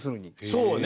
そうね。